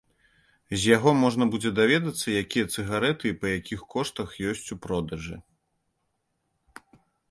З яго можна будзе даведацца, якія цыгарэты і па якіх коштах ёсць у продажы.